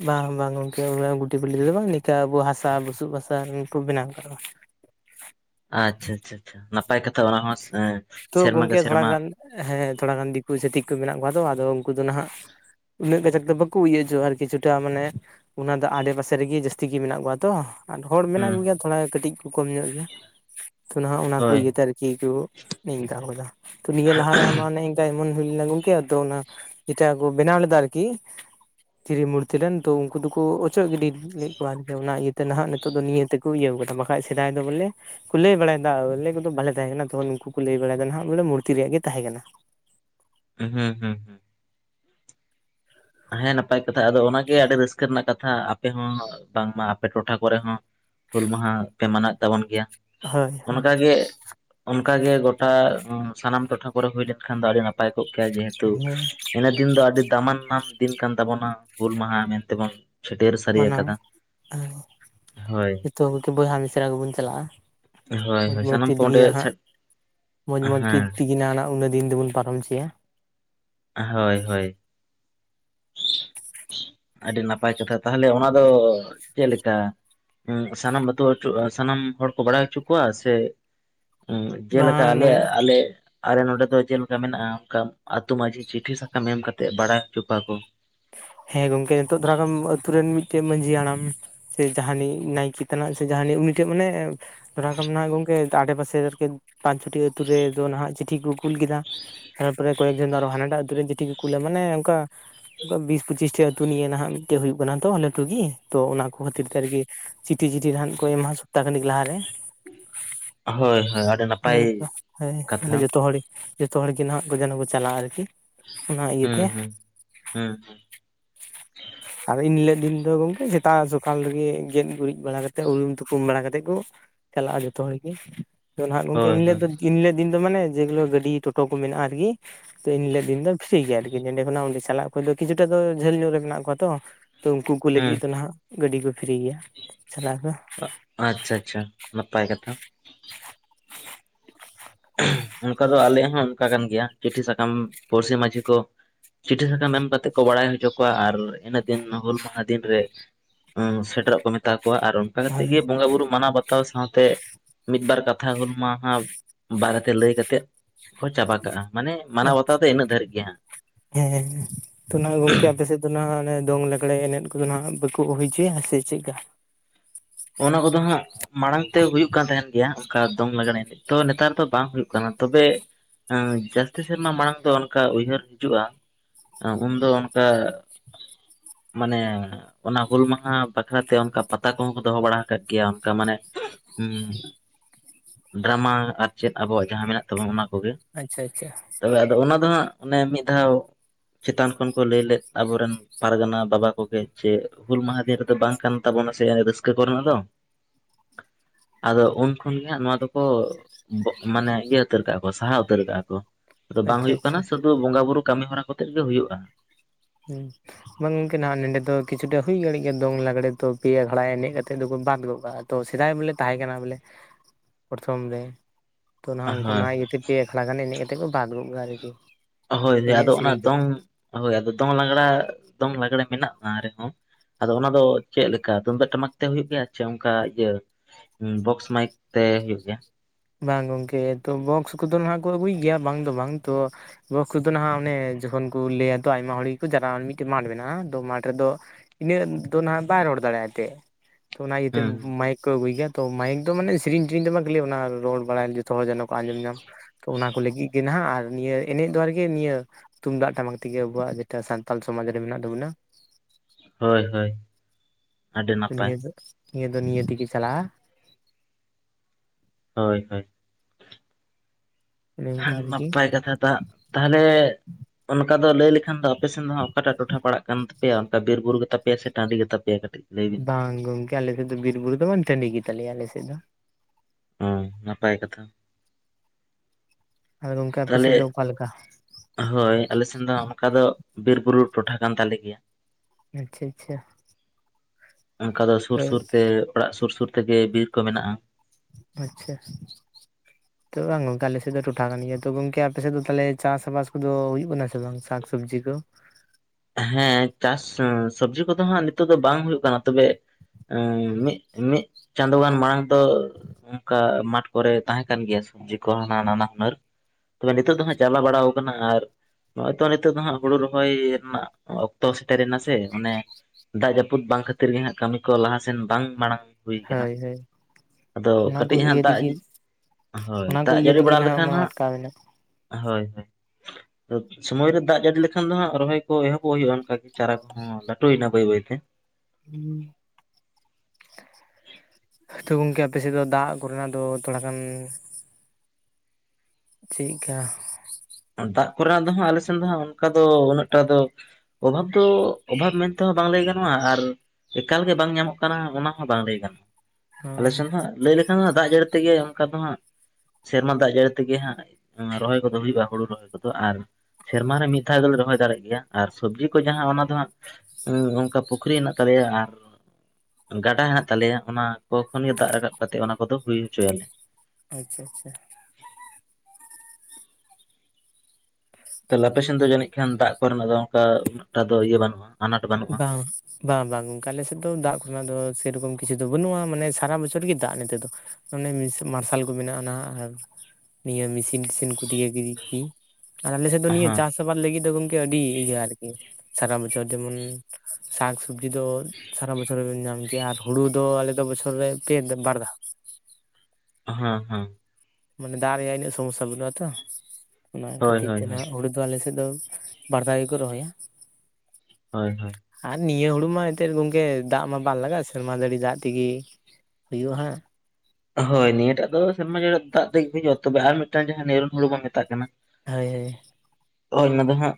ᱵᱟᱝ ᱵᱟᱝ ᱜᱚᱝᱠᱮ ᱜᱩᱴᱤ ᱵᱟᱹᱞᱤ ᱛᱮᱫ ᱵᱟᱝ ᱱᱤᱝᱠᱟ ᱟᱵᱚ ᱦᱟᱥᱟ ᱵᱩᱥᱩᱵ ᱦᱥᱟᱠᱩ ᱵᱮᱱᱟᱣ ᱠᱟᱫ ᱠᱚᱣᱟ ᱾
ᱟᱪᱪᱷᱟ ᱪᱷᱟ ᱪᱷᱟ ᱱᱟᱯᱟᱭ ᱠᱟᱛᱷᱟ ᱚᱱᱟ ᱦᱚᱸ ᱮᱸ
ᱛᱚ ᱜᱚᱝᱠᱮ ᱛᱷᱚᱲᱟ ᱜᱟᱱ ᱦᱮᱸ ᱛᱷᱚᱲᱟ ᱜᱟᱱ ᱫᱤᱠᱩ ᱪᱷᱟᱛᱤᱠᱩ ᱢᱮᱱᱟᱜ ᱠᱚᱣᱟ, ᱛᱚ ᱟᱫᱚ ᱩᱱᱠᱩ ᱫᱚ ᱱᱟᱸᱦᱟᱜ ᱩᱱᱟᱹᱜ ᱜᱟᱡᱟᱠ ᱫᱚ ᱵᱟᱠᱩ ᱤᱭᱟᱹ ᱦᱚᱪᱚᱣᱟᱜᱼᱟ ᱟᱨᱠᱤᱪᱷᱴᱟ ᱢᱟᱱᱮ ᱚᱱᱟ ᱫᱚ ᱟᱰᱮ ᱯᱟᱥᱮ ᱨᱮᱜᱤ ᱡᱟᱹᱥᱛᱤ ᱜᱮ ᱢᱮᱱᱟᱜ ᱠᱚᱣᱟ ᱛᱚ ᱾ ᱟᱨ ᱦᱚᱲ ᱢᱮᱱᱟᱜ
ᱦᱩᱸ
ᱠᱚᱜᱮᱭᱟ ᱛᱷᱚᱲᱟ ᱠᱟᱹᱴᱤᱡ ᱠᱚ ᱠᱚᱢ ᱧᱚᱜ ᱜᱮᱭᱟ ᱛᱚ ᱱᱟᱸᱦᱟᱜ ᱚᱱᱟ ᱠᱚ
ᱦᱳᱭ
ᱤᱭᱟᱹᱛᱮ ᱟᱨᱠᱤ ᱠᱚ [UNINTELLIGIBLE] ᱠᱮᱫᱟ ᱛᱚ ᱱᱤᱭᱟᱹ ᱞᱟᱦᱟᱨᱮ ᱢᱟᱱᱮ ᱡᱟ ᱢᱚᱱ ᱦᱩᱭ ᱞᱮᱱᱟ ᱜᱚᱝᱠᱮ ᱟᱫᱚ ᱚᱱᱟ ᱡᱮᱴᱟ ᱠᱚ ᱵᱮᱱᱟᱣ ᱞᱮᱫᱟ ᱟᱨᱠᱤ ᱛᱷᱤᱨᱤ ᱢᱩᱨᱛᱤ ᱨᱮᱱ ᱛᱚ ᱩᱱᱠᱩ ᱫᱚᱠᱚ ᱚᱪᱚᱜ ᱜᱤᱰᱤ ᱞᱮᱫ ᱠᱚᱣᱟ ᱚᱱᱟ ᱤᱭᱟᱹᱛᱮ ᱱᱟᱦᱟᱜ ᱱᱤᱛᱚᱜ ᱫᱚ ᱱᱤᱭᱟᱹ ᱛᱮ ᱠᱩ ᱤᱭᱟᱹ ᱠᱟᱫᱟ ᱵᱟᱠᱷᱟᱡ ᱥᱮᱫᱟᱭ ᱫᱚ ᱵᱚᱞᱮ ᱠᱚ ᱞᱟᱹᱭ ᱵᱟᱲᱟᱭᱟ ᱵᱮ ᱠᱚᱫᱚ ᱵᱟᱞᱮ ᱛᱟᱦᱮᱸ ᱠᱟᱱᱟ ᱛᱚᱠᱷᱚᱱ ᱩᱱᱠᱩ ᱠᱚ ᱞᱟᱹᱭ ᱵᱟᱲᱟᱭ ᱫᱟ ᱱᱟᱸᱦᱟᱜ ᱵᱚᱞᱮ ᱢᱩᱨᱛᱤᱮ ᱨᱮᱭᱟᱜ ᱜᱮ ᱛᱟᱦᱮᱸ ᱠᱟᱱᱟ ᱾
ᱦᱩᱸ ᱦᱩᱸ᱾ ᱦᱮᱸ ᱱᱟᱯᱟᱭ ᱠᱟᱛᱷᱟ ᱟᱫᱚ ᱚᱱᱟᱜᱮ ᱟᱹᱰᱤ ᱨᱟᱹᱥᱠᱟᱹ ᱨᱮᱱᱟᱜ ᱠᱟᱛᱷᱟ, ᱟᱯᱮ ᱦᱚᱸ ᱵᱟᱝᱢᱟ ᱟᱯᱮ ᱴᱚᱴᱷᱟ ᱠᱚᱨᱮ ᱦᱚᱸ ᱦᱩᱞ ᱢᱟᱦᱟ ᱯᱮ ᱢᱟᱱᱟᱣᱮᱫ ᱛᱟᱵᱚᱱ ᱜᱮᱭᱟ
ᱦᱳᱭ
᱾
ᱦᱳᱭ
ᱚᱱᱠᱟᱜᱮ ᱚᱱᱠᱟᱜᱮ ᱜᱚᱴᱟ ᱥᱟᱱᱟᱢ ᱴᱚᱴᱷᱟ ᱠᱚᱨᱮᱜ ᱦᱩᱭ ᱞᱮᱱᱠᱷᱟᱱ ᱫᱚ ᱟᱹᱰᱤ ᱱᱟᱯᱟᱭ ᱠᱚᱜ ᱠᱮᱭᱟ, ᱡᱮᱦᱮᱛᱩ
ᱦᱳᱭ
ᱤᱱᱟᱹ ᱫᱤᱱ ᱫᱚ ᱟᱹᱰᱤ ᱫᱟᱢᱟᱱ ᱱᱟᱱ ᱫᱤᱱ ᱠᱟᱱ ᱛᱟᱵᱚᱱᱟ, ᱦᱩᱞ ᱢᱟᱦᱟ ᱢᱮᱱᱛᱮᱵᱚᱱ ᱪᱷᱴᱭᱟᱹᱨ ᱥᱟᱹᱨᱤᱭᱟ ᱠᱟᱫᱟ ᱾
ᱡᱷᱚᱛᱚ ᱠᱚᱜᱮ ᱵᱚᱭᱦᱟ ᱢᱤᱥᱨᱟ ᱠᱚᱵᱚᱱ ᱪᱟᱞᱟᱜᱼᱟ,
ᱦᱳᱭ
ᱢᱚᱡ
ᱦᱳᱭ
ᱢᱚᱡ
ᱥᱟᱱᱟᱢ
ᱪᱮᱫ
ᱠᱚ ᱚᱸᱰᱮ
ᱜᱮᱭᱟ ᱦᱟᱸᱜ
ᱥᱮᱴ
᱾ ᱢᱚᱡ ᱢᱚᱡ ᱠᱤᱫ
ᱦᱮᱸ
ᱛᱤ ᱡᱤ ᱱᱟᱣᱟ ᱱᱟᱜ ᱩᱱᱟᱹᱜ ᱫᱤᱱ ᱛᱮᱵᱚᱱ ᱯᱟᱨᱚᱢ ᱦᱚᱪᱚᱭᱟ ᱾
ᱦᱳᱭ ᱦᱳᱭ ᱾ ᱟᱹᱰᱤ ᱱᱟᱯᱟᱭ ᱠᱟᱛᱷᱟ ᱛᱟᱦᱚᱞᱮ ᱚᱱᱟ ᱫᱚ ᱪᱮᱫ ᱞᱮᱠᱟ? ᱥᱟᱱᱟᱢ ᱟᱹᱛᱩ ᱥᱟᱱᱟᱢ ᱦᱚᱲ ᱠᱚ ᱵᱟᱲᱟᱭ ᱦᱚᱪᱚ ᱠᱚᱣᱟ ᱥᱮ ᱦᱩᱸ ᱡᱮᱞᱮᱠᱟ ᱟᱞᱮ
ᱵᱟᱝ
ᱟᱞᱮ ᱟᱞᱮ ᱱᱚᱰᱮ ᱫᱚ ᱪᱮᱫ ᱞᱮᱠᱟ ᱢᱮᱱᱟᱜᱼᱟ ᱚᱱᱠᱟ ᱟᱛᱳ ᱢᱟᱺᱡᱷᱤ ᱪᱤᱴᱷᱤ ᱥᱟᱠᱟᱢ ᱮᱢ ᱠᱟᱛᱮᱫ ᱵᱟᱲᱟᱭ ᱦᱚᱪᱚ ᱠᱚᱣᱟᱠᱚ ᱾
ᱦᱮᱸ ᱜᱚᱢᱠᱮ ᱱᱤᱛᱚᱜ ᱫᱚᱨᱟ ᱠᱚᱢ ᱟᱹᱛᱩ ᱨᱮᱱ ᱢᱤᱫᱴᱮᱡ ᱢᱟᱺᱡᱷᱤ ᱦᱟᱲᱟᱢ, ᱥᱮ ᱡᱟᱸᱦᱟᱱᱤᱡ ᱱᱟᱭᱠᱮ ᱛᱮᱟᱱᱟᱜ ᱥᱮ ᱡᱟᱦᱟᱱᱤᱡ ᱩᱱᱤ ᱴᱷᱮᱡ ᱢᱟᱱᱮ ᱛᱷᱚᱲᱟ ᱠᱚ ᱱᱟ ᱜᱚᱝᱠᱮ ᱟᱰᱮ ᱯᱟᱥᱮ ᱟᱨᱠ ᱯᱟᱸᱪ ᱪᱷᱚᱴᱤ ᱟᱹᱛᱩ ᱨᱮᱫᱚ ᱱᱟᱦᱟᱜ ᱪᱤ ᱴᱷᱤ ᱠᱚ ᱠᱩᱞ ᱠᱮᱫᱟ, ᱛᱟᱨᱚᱨᱮ ᱠᱚᱭᱮᱠ ᱡᱚᱱ ᱦᱟᱱᱟᱴᱟᱜ ᱟᱛᱩ ᱨᱮ ᱡᱤᱴᱷᱤ ᱠᱚ ᱠᱩᱞᱟ ᱢᱟᱱᱮ ᱚᱱᱠᱟ ᱵᱤᱥ ᱯᱚᱸᱪᱤᱥ ᱴᱤ ᱟᱹᱛᱩ ᱱᱤᱭᱮ ᱱᱟᱦᱟᱜ ᱢᱤᱫᱴᱮᱡ ᱦᱩᱭᱩᱜ ᱠᱟᱱᱟ ᱛᱚ ᱟᱞᱮ ᱟᱹᱛᱩ ᱜᱮ ᱛᱚ ᱚᱱᱟ ᱠᱚ ᱠᱷᱟᱹᱛᱤᱨ ᱟᱨᱠᱤ ᱾ ᱪᱤᱴᱷᱤ ᱪᱤᱴᱷᱤ ᱨᱟᱱ ᱠᱚ ᱮᱢᱟ ᱥᱚᱯᱛᱟᱦ ᱠᱷᱟᱹᱱᱤᱠ ᱞᱟᱦᱟ ᱨᱮ ᱾
ᱦᱳᱭ ᱦᱳᱭ ᱟᱹᱰᱤ ᱱᱟᱯᱟᱭ ᱾
[UNINTELLIGIBLE] ᱦᱮᱸ ᱢᱟᱱᱮ ᱡᱚᱛᱚ ᱦᱚᱲ ᱡᱚᱛᱚ ᱦᱚᱲ ᱜᱮ ᱱᱟᱦᱟᱜ ᱠᱚ ᱡᱮᱱᱚ ᱠᱚ ᱪᱟᱞᱟᱜᱼᱟ ᱟᱨᱠᱤ ᱾ ᱚᱱᱟ ᱤᱭᱟᱹ
ᱦᱩᱸ
ᱛᱮ
ᱦᱩᱸ ᱦᱩᱸ
᱾ ᱟᱨ ᱮᱱ ᱦᱤᱞᱳᱜ ᱫᱤᱱ ᱫᱚ ᱜᱚᱝᱠᱮ ᱥᱮᱛᱟᱜ ᱥᱚᱠᱟᱞ ᱨᱮᱜᱮ ᱜᱮᱡ ᱜᱩᱨᱤᱡ, ᱵᱟᱲᱟ ᱠᱟᱛᱮᱫ ᱩᱞᱩᱢ ᱛᱩᱯᱩᱢ ᱵᱟᱲᱟ ᱠᱟᱛᱮᱫ ᱠᱚ ᱪᱟᱞᱟᱜᱼᱟ ᱡᱚᱛᱚ ᱦᱚᱲ ᱜᱮ ᱾ ᱚ ᱱᱟᱦᱟᱜ ᱜᱚᱝᱠᱮ
ᱦᱳᱭ
ᱮᱱ ᱦᱤᱞᱚᱜ
ᱦᱳᱭ
ᱫᱚ ᱮᱱ ᱦᱤᱞᱚᱜ ᱫᱤᱱ ᱫᱚ ᱢᱟᱱᱮ ᱡᱮᱜᱩᱞᱳ ᱜᱟᱹᱰᱤ ᱴᱳᱴᱳ ᱠᱚ ᱢᱮᱱᱟᱜᱼᱟ ᱟᱨᱠᱤ, ᱛᱚ ᱮᱱ ᱦᱤᱞᱳᱜ ᱫᱤᱱ ᱫᱚ ᱯᱷᱤᱨᱤ ᱜᱮᱭᱟ ᱟᱨᱠᱤ ᱱᱚᱸᱰᱮ ᱠᱷᱚᱱᱟᱜ ᱚᱸᱰᱮ ᱪᱟᱞᱟᱜ ᱟᱠᱚ ᱫᱚ ᱠᱤᱪᱷᱩᱴᱟ ᱫᱚ ᱡᱷᱟᱹᱞ ᱧᱚᱜ ᱨᱮ ᱢᱮᱱᱟᱜ ᱠᱚᱣᱟ ᱛᱚ ᱾ ᱛᱚ ᱩᱱᱠᱩ ᱠᱚ
ᱦᱩᱸ
ᱞᱟᱹᱜᱤᱫ ᱫᱚ ᱱᱟᱦᱟᱜ ᱜᱟᱹᱰᱤ ᱠᱚ ᱯᱷᱤᱨᱤ ᱜᱮᱭᱟ ᱪᱟᱞᱟᱜ ᱟᱠᱚ᱾
ᱟᱪᱪᱷᱟ ᱟᱪᱪᱷᱟ ᱱᱟᱯᱟᱭ ᱠᱟᱛᱷᱟ ᱾ ᱚᱱᱠᱟ ᱫᱚ ᱟᱞᱮ ᱦᱚᱸ ᱚᱱᱠᱟ ᱠᱟᱱ ᱜᱮᱭᱟ ᱪᱤᱴᱷᱤ ᱥᱟᱠᱟᱢ [UNINTELLIGIBLE] ᱢᱟᱺᱡᱷᱤ ᱠᱚ, ᱪᱤᱴᱷᱤ ᱥᱟᱠᱟᱢ ᱮᱢ ᱠᱟᱛᱮᱫ ᱠᱚ ᱵᱟᱲᱟᱭ ᱦᱚᱪᱚ ᱠᱚᱣᱟ ᱟᱨ ᱤᱱᱟᱹ ᱫᱤᱱ ᱦᱩᱞ ᱢᱟᱦᱟ ᱫᱤᱱ ᱨᱮ, ᱥᱮᱴᱮᱨᱚᱜ ᱠᱚ ᱢᱮᱛᱟ ᱠᱚᱣᱟ ᱟᱨᱼᱼ ᱚᱱᱠᱟ
ᱟᱨ
ᱠᱟᱛᱮᱫ ᱜᱮ ᱵᱚᱸᱜᱟ ᱵᱩᱨᱩ ᱢᱟᱱᱟᱣ ᱵᱟᱛᱟᱣ ᱥᱟᱶ ᱛᱮ ᱢᱤᱫᱼᱵᱟᱨ ᱠᱟᱛᱷᱟ ᱦᱩᱞ ᱢᱟᱦᱟᱸᱼᱼ ᱵᱟᱨᱮ ᱛᱮ ᱞᱟᱹᱭ ᱠᱟᱛᱮᱜ ᱠᱚ ᱪᱟᱵᱟ ᱠᱟᱜᱼᱟ, ᱢᱟᱱᱮ ᱢᱟᱱᱟᱣ ᱵᱟᱛᱟᱣ ᱫᱚ ᱤᱱᱟᱹᱜ ᱫᱷᱟᱹᱨᱤᱡ ᱜᱮ ᱦᱟᱸᱜ᱾
ᱦᱮᱸ ᱛᱚ ᱚᱱᱟ ᱜᱚᱝᱠᱮ ᱟᱯᱮ ᱥᱮᱫ, [UNINTELLIGIBLE] ᱦᱟᱱᱮ ᱫᱚᱝ ᱞᱟᱜᱽᱲᱮ ᱮᱱᱮᱡ ᱠᱚ ᱢᱮᱱᱟ ᱦᱟᱸᱜ ᱵᱟᱠᱚ ᱦᱩᱭ ᱪᱚᱭᱟ ᱥᱮ ᱪᱮᱫᱠᱟᱼᱼ
ᱚᱱᱟ ᱠᱚ ᱫᱚ ᱦᱟᱸᱜ ᱢᱟᱲᱟᱝ ᱛᱮ ᱦᱩᱭᱩᱜ ᱠᱟᱱ ᱛᱟᱦᱮᱱ ᱜᱮᱭᱟ ᱚᱱᱠᱟ ᱫᱚᱝ ᱞᱟᱜᱽᱬᱮ ᱮᱱᱮᱡ ᱛᱚ ᱱᱮᱛᱟᱨ ᱫᱚ ᱵᱟᱝ ᱦᱩᱭᱩᱜ ᱠᱟᱱᱟ ᱛᱚᱵᱮᱼᱼ ᱦᱩᱸ ᱡᱟᱹᱥᱛᱤ ᱥᱮᱨᱢᱟ ᱢᱟᱲᱟᱝ ᱫᱚ ᱚᱱᱠᱟ ᱩᱭᱦᱟᱹᱨ ᱦᱤᱡᱩᱜᱼᱟ ᱩᱱᱫᱚ ᱚᱱᱠᱟ ᱢᱟᱱᱮ ᱚᱱᱟ ᱦᱩᱞ ᱢᱟᱦᱟ ᱵᱟᱠᱷᱨᱟ ᱛᱮ ᱚᱱᱠᱟ ᱯᱟᱛᱟ ᱠᱚᱦᱚᱸ ᱠᱚ ᱫᱚᱦᱚ ᱵᱟᱲᱟ ᱟᱠᱟᱜ ᱜᱮᱭᱟ ᱚᱱᱠᱟ ᱢᱟᱱᱮ ᱦᱩᱸ ᱰᱨᱟᱢᱟ ᱟᱨ ᱪᱮᱫ ᱟᱵᱚᱣᱟᱜ ᱡᱟᱦᱟᱸ ᱢᱮᱱᱟᱜ ᱛᱟᱵᱚᱱ ᱚᱱᱟ ᱠᱚ ᱜᱮ
ᱟᱪᱪᱷᱟ ᱟᱪᱪᱷᱟ
ᱛᱚᱵᱮ ᱟᱫᱚ ᱚᱱᱟ ᱫᱚ ᱦᱟᱸᱜ ᱚᱱᱮ ᱢᱤᱫ ᱫᱷᱟᱣ ᱪᱮᱛᱟᱱ ᱠᱷᱚᱱ ᱠᱚ ᱞᱟᱹᱭ ᱞᱮᱫ ᱟᱵᱚ ᱨᱮᱱᱼᱼ ᱯᱟᱨᱜᱟᱱᱟ ᱵᱟᱵᱟ ᱠᱚ ᱜᱮ ᱡᱮ ᱦᱩᱞ ᱢᱟᱦᱟ ᱫᱤᱱ ᱨᱮ ᱫᱚ ᱵᱟᱝ ᱠᱟᱱ ᱛᱟᱵᱚᱱᱟ ᱥᱮ ᱨᱟᱹᱥᱠᱟᱹ ᱨᱟᱹᱥᱠᱟᱹ ᱠᱚ ᱨᱮᱱᱟᱜ ᱫᱚ ᱟᱫᱚ ᱩᱱ ᱠᱷᱚᱱ ᱜᱮ ᱦᱟᱸᱜ ᱱᱚᱣᱟ ᱫᱚ ᱠᱚᱼᱼ ᱵᱚ ᱢᱟᱱᱮ ᱤᱭᱟᱹ ᱩᱛᱟᱹᱨ ᱠᱟᱜᱼᱟ ᱠᱚ ᱥᱟᱦᱟ ᱩᱛᱟᱹᱨ ᱠᱟᱜᱼᱟ ᱠᱚ ᱟᱫᱚ ᱵᱟᱝ
ᱟᱪᱪᱷᱟ
ᱦᱩᱭᱩᱜ
ᱟᱪᱪᱷᱟ
ᱠᱟᱱᱟ ᱥᱩᱫᱷᱩ ᱵᱚᱸᱜᱟ ᱵᱩᱨᱩ ᱠᱟᱹᱢᱤ ᱦᱚᱨᱟ ᱠᱟᱛᱮᱜ ᱜᱮ ᱦᱩᱭᱩᱜᱼᱟ
ᱦᱩᱸ ᱵᱟᱝ ᱜᱚᱝᱠᱮ ᱱᱟᱜ ᱱᱚᱸᱰᱮ ᱫᱚ ᱠᱤᱪᱷᱩᱴᱟ ᱦᱩᱭ ᱫᱟᱲᱮ ᱜᱮᱭᱟ ᱫᱚᱝ ᱞᱟᱜᱽᱲᱮ ᱫᱚ ᱯᱮᱭᱟ ᱟᱠᱷᱲᱟ ᱮᱱᱮᱡ ᱠᱟᱛᱮᱫ ᱫᱚᱠᱚ ᱵᱟᱫ ᱜᱚᱫ ᱠᱟᱜᱼᱟ ᱛᱚ ᱥᱮᱫᱟᱭ ᱵᱚᱞᱮ ᱛᱟᱦᱮᱸ ᱠᱟᱱᱟ ᱵᱚᱞᱮ ᱯᱨᱚᱛᱷᱚᱢ ᱨᱮ ᱛᱚ ᱱᱟᱦ ᱩᱱᱠᱩ
ᱦᱳᱭ
ᱱᱟᱭ ᱤᱭᱟᱹ ᱛᱮ ᱯᱮ ᱟᱠᱷᱲᱟ ᱜᱟᱱ ᱮᱱᱮᱡ ᱠᱟᱛᱮ ᱠᱚ ᱵᱟᱫ ᱜᱚᱫ ᱠᱟᱜᱼᱟ ᱟᱨᱠᱤ
ᱦᱳᱭ ᱦᱳᱭ
ᱮᱱᱮᱡ
ᱟᱫᱚ ᱚᱱᱟ
ᱥᱮᱨᱮᱧ ᱠᱚᱫᱚᱼᱼ
ᱫᱚᱝ ᱦᱳᱭ ᱟᱫᱚ ᱫᱚᱝ ᱞᱟᱜᱽᱲᱮ ᱫᱚᱝ ᱞᱟᱜᱽᱲᱮ ᱢᱮᱱᱟᱜᱼᱟ ᱨᱮ ᱦᱚᱸ ᱟᱫᱚ ᱚᱱᱟ ᱫᱚ ᱪᱮᱫ ᱞᱮᱠᱟ ᱛᱩᱢᱫᱟᱹᱜ ᱴᱟᱢᱟᱠ ᱛᱮ ᱦᱩᱭᱩᱜ ᱜᱮᱭᱟ ᱥᱮ ᱚᱱᱠᱟ ᱤᱭᱟᱹ ᱵᱚᱠᱥ ᱢᱟᱭᱤᱠ ᱛᱮ ᱦᱩᱭᱩᱜ ᱜᱮᱭᱟ
ᱵᱟᱝ ᱜᱚᱝᱠᱮ ᱛᱚ ᱵᱚᱠᱥ ᱠᱚ ᱫᱚ ᱱᱟᱜ ᱠᱚ ᱟᱹᱜᱩᱭ ᱜᱮᱭᱟ ᱵᱟᱝ ᱫᱚ ᱵᱟᱝ ᱛᱚ ᱵᱚᱠᱥ ᱫᱚ ᱱᱟᱦᱟᱜ ᱚᱱᱮ ᱡᱚᱠᱷᱚᱱ ᱠᱚ ᱞᱟᱹᱭᱟ ᱛᱚ ᱟᱭᱢᱟ ᱦᱚᱲ ᱜᱮ ᱠᱚ ᱡᱟᱨᱟᱜᱼᱟ ᱢᱤᱫᱴᱟᱝ ᱢᱟᱴᱷ ᱢᱮᱱᱟᱜᱼᱟ ᱟᱫᱚ ᱢᱟᱴᱷ ᱨᱮᱫᱚ ᱤᱱᱟᱹᱜ ᱫᱚ ᱱᱟᱜ ᱵᱟᱭ ᱨᱚᱲ ᱫᱟᱲᱮᱭᱟᱜᱼᱛᱮ ᱛᱚ ᱚᱱᱟ ᱤᱭᱟᱹ ᱛᱮ
ᱦᱩᱸ
ᱢᱟᱭᱤᱠ ᱠᱚ ᱟᱹᱜᱩᱭ ᱜᱮᱭᱟ ᱛᱚ ᱢᱟᱭᱤᱠ ᱫᱚ ᱢᱟᱱᱮ ᱥᱮᱨᱮᱧ ᱴᱤᱨᱤᱧ ᱫᱚ ᱵᱟᱝ ᱠᱷᱟᱹᱞᱤ ᱚᱱᱟ ᱨᱚᱲ ᱵᱟᱲᱟ [UNINTELLIGIBLE] ᱡᱚᱛᱚ ᱦᱚᱲ ᱡᱮᱱᱚ ᱠᱚ ᱟᱸᱡᱚᱢ ᱧᱟᱢ ᱛᱚ ᱚᱱᱟ ᱠᱚ ᱞᱟᱹᱜᱤᱫ ᱜᱮ ᱱᱟᱦᱟᱜ ᱟᱨ ᱱᱤᱭᱟᱹ ᱮᱱᱮᱡ ᱫᱳᱣᱟᱨ ᱜᱮ ᱱᱤᱭᱟᱹ ᱛᱩᱢᱫᱟᱜ ᱴᱟᱢᱟᱠ ᱛᱮ ᱜᱮ ᱟᱵᱩᱣᱟᱜ ᱡᱮᱴᱟ ᱥᱟᱱᱛᱟᱞ ᱥᱚᱢᱟᱡᱽ ᱨᱮ ᱢᱮᱱᱟᱜ ᱛᱟᱵᱚᱱᱟ
ᱦᱳᱭ ᱦᱳᱭ ᱟᱹᱰᱤ
ᱛᱚ
ᱱᱟᱯᱟᱭ
ᱱᱤᱭᱟᱹ ᱫᱚ ᱱᱤᱭᱟᱹ ᱫᱚ ᱱᱤᱭᱟᱹ ᱛᱮ ᱜᱮ ᱪᱟᱞᱟᱜᱼᱟ
ᱦᱳᱭ ᱦᱳᱭ
ᱚᱱᱮ
ᱦᱟ
ᱚᱱᱠᱟ ᱟᱨᱠᱤ
ᱱᱟᱯᱟᱭ ᱠᱟᱛᱷᱟ ᱛᱟ ᱛᱟᱦᱚᱞᱮ ᱚᱱᱠᱟ ᱫᱚ ᱞᱟᱹᱭ ᱞᱮᱠᱷᱟᱱ ᱫᱚ ᱟᱯᱮ ᱥᱮᱱ ᱦᱚᱸ ᱚᱠᱟᱴᱟᱜ ᱴᱚᱴᱷᱟ ᱯᱟᱲᱟᱜ ᱠᱟᱱ ᱛᱟᱯᱮᱭᱟ ᱚᱱᱠᱟ ᱵᱤᱨ ᱵᱩᱨᱩ ᱜᱮ ᱛᱟᱯᱮᱭᱟ ᱥᱮ ᱴᱟᱺᱰᱤ ᱜᱮᱛᱟ ᱯᱮᱭᱟ ᱠᱟᱹᱴᱤᱡ ᱞᱟᱹᱭ ᱵᱤᱱ
ᱵᱟᱝ ᱜᱚᱝᱠᱮ ᱟᱞᱮ ᱥᱮᱫ ᱫᱚ ᱵᱤᱨ ᱵᱩᱨᱩ ᱫᱚ ᱵᱟᱝ ᱴᱟᱺᱰᱤ ᱜᱮ ᱛᱟᱞᱮᱭᱟ ᱟᱞᱮ ᱥᱮᱫ ᱫᱚᱼᱼ
ᱦᱚᱸ ᱱᱟᱯᱟᱭ ᱠᱟᱛᱷᱟ
ᱟᱫᱚ ᱜᱚᱝᱠᱮ ᱟᱯᱮ
ᱛᱟᱦᱚᱞᱮ
ᱥᱮᱫ ᱫᱚ ᱚᱠᱟ ᱞᱮᱠᱟ
ᱦᱳᱭ ᱟᱞᱮᱥᱮᱱ ᱫᱚ ᱚᱱᱠᱟ ᱫᱚ ᱵᱤᱨ ᱵᱩᱨᱩ ᱴᱚᱴᱷᱟ ᱠᱟᱱ ᱛᱟᱞᱮ ᱜᱮᱭᱟ
ᱟᱪᱪᱷᱟ ᱟᱪᱪᱷᱟ
ᱚᱱᱠᱟ ᱫᱚ ᱥᱩᱨ
ᱛᱚ
ᱥᱩᱨᱛᱮ ᱚᱲᱟᱜ ᱥᱩᱨ ᱥᱩᱨ ᱛᱮᱜᱮ ᱵᱤᱨ ᱠᱚ ᱢᱮᱱᱟᱜᱼᱟ᱾
ᱟᱪᱪᱷᱟ
[INAUDIBLE]
ᱛᱚ ᱵᱟᱝ ᱜᱚᱝᱠᱮ ᱟᱞᱮ ᱥᱮᱫ ᱫᱚ ᱴᱚᱴᱷᱟ ᱠᱟᱱ ᱜᱮᱭᱟ ᱛᱚ ᱜᱚᱝᱠᱮ ᱟᱯᱮ ᱥᱮᱫ ᱫᱚ ᱛᱟᱦᱞᱮ ᱪᱟᱥ ᱵᱟᱥ ᱠᱚᱫᱚ ᱦᱩᱭᱩᱜ ᱠᱟᱱᱟ ᱥᱮ ᱵᱟᱝ ᱥᱟᱠ ᱥᱚᱵᱽᱡᱤ ᱠᱚ
ᱦᱮᱸ ᱪᱟᱥ ᱥᱚᱵᱡᱤ ᱠᱚᱫᱚ ᱦᱟᱜ ᱱᱤᱛᱚᱜ ᱫᱚ ᱵᱟᱝ ᱦᱩᱭᱩᱜ ᱠᱟᱱᱟ ᱛᱚᱵᱮ ᱢᱤᱫ ᱢᱤᱫ ᱪᱟᱸᱫᱳ ᱜᱟᱱ ᱢᱟᱲᱟᱝ ᱫᱚ ᱚᱱᱠᱟ ᱢᱟᱴ ᱠᱚᱨᱮ ᱛᱟᱦᱮᱸ ᱠᱟᱱ ᱜᱮᱭᱟ ᱥᱚᱵᱡᱤ ᱠᱚ ᱦᱚ ᱱᱟᱱᱟ ᱦᱩᱱᱟᱹᱨ ᱛᱚᱵᱮ ᱱᱤᱛᱳ ᱫᱚ ᱦᱟᱸᱜ ᱪᱟᱵᱟ ᱵᱟᱲᱟᱣ ᱠᱟᱱᱟ ᱟᱨ ᱱᱚᱜᱼᱚᱭ ᱛᱚ ᱱᱤᱛᱚᱜ ᱫᱚ ᱦᱟᱸᱜ ᱦᱳᱲᱳ ᱨᱚᱦᱚᱭ [UNINTELLIGIBLE] ᱚᱠᱛᱚ ᱥᱮᱴᱮᱨ ᱮ ᱱᱟ ᱥᱮ ᱢᱟᱱᱮ ᱫᱟᱜ ᱡᱟᱹᱯᱩᱫ ᱵᱟᱝ ᱠᱷᱟᱹᱛᱤᱨ ᱜᱮ ᱦᱟᱜ ᱠᱟᱹᱢᱤ ᱠᱚ ᱞᱟᱦᱟ ᱥᱮᱱ ᱵᱟᱝ ᱢᱟᱲᱟᱝ ᱦᱩᱭ ᱠᱟᱱᱟ
ᱦᱳᱭ ᱦᱳᱭ
ᱟᱫᱚ
ᱚᱱᱟ ᱠᱚ
ᱠᱟᱹᱴᱤᱡ ᱦᱟᱸᱜ
ᱤᱭᱟᱹ
ᱫᱟᱜ
ᱛᱮᱜᱮ
ᱦᱳᱭ
ᱚᱱᱟ ᱠᱚ
ᱫᱟᱜ
ᱤᱭᱟᱹ
ᱡᱟᱹᱲᱤ
ᱛᱮᱜᱮ
ᱵᱟᱲᱟ ᱞᱮ
ᱱᱟᱦᱟᱜ
ᱠᱷᱟᱱ
ᱢᱟ
ᱦᱟᱸᱜ
ᱟᱴᱠᱟᱣ ᱮᱱᱟ
ᱦᱳᱭ ᱦᱳᱭ ᱥᱩᱢᱳᱭ ᱨᱮ ᱫᱟᱜ ᱡᱟᱹᱲᱤ ᱞᱮ ᱠᱷᱟᱱ ᱫᱚ ᱦᱟᱜ ᱨᱚᱦᱚᱭ ᱠᱚ ᱮᱦᱚᱵ ᱵᱚᱜ ᱦᱳᱭᱳᱜᱼᱟ ᱚᱱᱠᱟ ᱜᱮ ᱪᱟᱨᱟ ᱠᱚ ᱦᱚᱸ ᱞᱟᱹᱴᱩᱭ ᱱᱟ ᱵᱟᱹᱭ ᱵᱟᱹᱭ ᱛᱮ
ᱦᱩᱸ ᱛᱚ ᱜᱚᱝᱠᱮ ᱟᱯᱮ ᱥᱮᱫ ᱫᱚ ᱫᱟᱜ ᱠᱚᱨᱮ ᱱᱟᱜ ᱫᱚ ᱛᱷᱚᱲᱟ ᱜᱟᱱ ᱪᱮᱫ ᱠᱟ
ᱫᱟᱜ ᱠᱚ ᱨᱮᱱᱟᱜ ᱫᱚ ᱦᱟᱸᱜ ᱟᱞᱮ ᱥᱮᱱ ᱫᱚ ᱦᱟᱸᱜ ᱚᱱᱠᱟ ᱫᱚ ᱩᱱᱟᱹᱜ ᱴᱟ ᱫᱚ ᱚᱵᱷᱟᱵᱽ ᱫᱚ ᱚᱵᱷᱟᱵᱽ ᱢᱮᱱᱛᱮ ᱦᱚᱸ ᱵᱟᱝ ᱞᱟᱹᱭ ᱜᱟᱱᱚᱜᱼᱟ ᱟᱨ ᱮᱠᱟᱞ ᱜᱮ ᱵᱟᱝ ᱧᱟᱢᱚᱜ ᱠᱟᱱᱟ ᱚᱱᱟ ᱦᱚᱸ ᱵᱟᱝ ᱞᱟᱹᱭ ᱜᱟᱱᱚᱜᱼᱟ
ᱟᱪᱪᱷᱟ
ᱟᱞᱮ ᱥᱮᱱ ᱫᱚ ᱦᱟᱸᱜ ᱞᱟᱹᱭ ᱞᱮ ᱠᱷᱟᱱ ᱢᱟ ᱫᱟᱜ ᱡᱟᱹᱲᱤ ᱛᱮ ᱜᱮ ᱚᱱᱠᱟ ᱫᱚ ᱦᱟᱸᱜ ᱥᱮᱨᱢᱟ ᱫᱟᱜ ᱡᱟᱹᱲᱤ ᱛᱮ ᱜᱮ ᱦᱟᱸᱜ ᱨᱚᱦᱚᱭ ᱠᱚ ᱫᱚ ᱦᱩᱭᱩᱜᱼᱟ᱾ ᱦᱳᱲᱩ ᱨᱚᱦᱚᱭ ᱠᱚ ᱫᱚ᱾ ᱟᱨ ᱥᱮᱨᱢᱟ ᱨᱮ ᱢᱤᱫ ᱫᱷᱟᱣ ᱫᱚ ᱞᱮ ᱨᱚᱦᱚᱭ ᱫᱟᱲᱮᱜ ᱜᱮᱭᱟ ᱟᱨ ᱥᱚᱵᱽᱡᱤ ᱠᱚ ᱡᱟᱦᱟᱸ ᱚᱱᱟ ᱫᱚ ᱦᱟᱸᱜ ᱦᱩᱸ ᱚᱱᱠᱟ ᱯᱩᱠᱷᱨᱤ ᱦᱮᱱᱟᱜ ᱛᱟᱞᱮ ᱭᱟ ᱟᱨ ᱜᱟᱰᱟ ᱦᱮᱱᱟ-ᱜ ᱛᱟᱞᱮᱭᱟ ᱚᱱᱟ ᱠᱚ ᱠᱷᱚᱱ ᱫᱟᱜ ᱨᱟᱠᱟᱵ ᱠᱟᱛᱮ ᱚᱱᱟ ᱠᱚ ᱫᱚ ᱦᱩᱭ ᱦᱚ ᱪᱚ ᱭᱟᱞᱮ
ᱟᱪᱪᱷᱟ ᱟᱪᱪᱷᱟ
ᱛᱟᱞᱮ ᱟᱯᱮ ᱥᱮᱱ ᱫᱚ ᱡᱟᱹᱱᱤᱡ ᱠᱷᱟᱱ ᱫᱟᱜ ᱠᱚᱨᱮ ᱱᱟᱜ ᱫᱚ ᱚᱱᱠᱟ ᱩᱱᱟᱹᱜ ᱴᱟ ᱫᱚ ᱤᱭᱟᱹ ᱵᱟᱹᱱᱩᱜᱼᱟ ᱟᱱᱟᱴ ᱵᱟᱹᱱᱩᱜᱼᱟ
ᱵᱟᱝ ᱵᱟᱝ ᱵᱟᱝ ᱜᱚᱝᱠᱮ ᱟᱞᱮ ᱥᱮᱫ ᱫᱚ ᱫᱟᱜ ᱠᱷᱚ ᱱᱟᱜ ᱫᱚ ᱥᱮ ᱨᱚᱠᱚᱢ ᱠᱤᱪᱷᱩ ᱫᱚ ᱵᱟᱹᱱᱩᱜᱼᱟ ᱢᱟᱱᱮ ᱥᱟᱨᱟ ᱵᱚᱪᱷᱚᱨ ᱜᱮ ᱫᱟᱜ ᱱᱚ ᱛᱮ ᱫᱚ ᱚᱱᱮ ᱢᱟᱨᱥᱟᱞ ᱠᱚ ᱢᱮᱱᱟᱜᱼᱟ ᱱᱟᱦᱟᱸᱜ ᱟᱨ ᱱᱤᱭᱟᱹ ᱢᱤᱥᱤᱱ ᱛᱤᱥᱤᱱ ᱠᱚ [UNINTELLIGIBLE] [UNINTELLIGIBLE] ᱜᱮ ᱟᱨ ᱟᱞᱮ ᱥᱮᱫ ᱫᱚ ᱱᱤᱭᱟᱹ
ᱦᱮᱸ
ᱪᱟᱥ ᱟᱵᱟᱫᱽ ᱞᱟᱹᱜᱤᱫ ᱫᱚ ᱜᱚᱢᱠᱮ ᱟᱹᱰᱤ ᱤᱭᱟᱹ ᱟᱨ ᱠᱤ ᱥᱟᱨᱟ ᱵᱚᱪᱷᱚᱨ ᱡᱮ ᱢᱚᱱ ᱥᱟᱠ ᱥᱚᱵᱽᱡᱤ ᱫᱚ ᱥᱟᱨᱟ ᱵᱚᱪᱷᱚᱨ ᱮᱢ ᱧᱟᱢ ᱠᱮᱭᱟ ᱟᱨ ᱦᱩᱲᱩ ᱫᱚ ᱟᱞᱮ ᱵᱚᱪᱷᱚᱨ ᱨᱮ ᱯᱮ ᱵᱟᱨ ᱫᱷᱟᱣ
ᱦᱮᱸ ᱦᱮᱸ
ᱢᱟᱱᱮ ᱫᱟᱜ ᱨᱮᱭᱟᱜ ᱤᱱᱟᱹᱜ ᱥᱚᱢᱚᱥ ᱥᱟ ᱵᱟᱹᱱᱩᱜᱼᱟ ᱛᱚ ᱚᱱᱟ
ᱦᱳᱭ
ᱠᱷᱟᱹᱛᱤᱨ
ᱦᱳᱭ
ᱛᱮ ᱱᱟᱜ
ᱦᱳᱭ
ᱦᱩᱲᱩ ᱟᱫᱚ ᱟᱞᱮ ᱥᱮᱫ ᱫᱚ ᱵᱟᱨ ᱫᱷᱟᱣ ᱜᱮ ᱠᱚ ᱨᱚᱦᱚ ᱭᱟ
ᱦᱳᱭ ᱦᱳᱭ
ᱟᱨ ᱱᱤᱭᱟᱹ ᱦᱩᱲᱩ ᱢᱟ ᱮᱱ ᱛᱮᱫ ᱜᱚᱝᱠᱮ ᱫᱟᱜ ᱢᱟ ᱵᱟᱝ ᱞᱟᱜᱟᱜᱼᱟ ᱥᱮᱨᱢᱟ ᱡᱟᱹᱲᱤ ᱫᱟᱜ ᱛᱮ ᱜᱮ ᱦᱩᱭᱩᱜᱼᱟ ᱦᱟᱸᱜ
ᱦᱳᱭ ᱱᱤᱭᱟᱹ ᱴᱟᱜ ᱫᱚ ᱥᱮᱨᱢᱟ ᱡᱟᱹᱲᱤ ᱫᱟᱜ ᱛᱮ ᱜᱮ ᱦᱩᱭᱩᱜᱼᱟ ᱛᱚ ᱵᱮ ᱟᱨ ᱢᱤᱫ ᱴᱟᱝ ᱡᱟᱦᱟᱸ ᱱᱤᱨᱚᱱ ᱦᱩᱲᱩ ᱵᱚᱱ ᱢᱮᱛᱟᱜ ᱠᱟᱱᱟ ᱾
ᱦᱳᱭ ᱦᱳᱭ
ᱦᱳᱭ ᱚᱱᱟ ᱫᱚ ᱦᱟᱸᱜ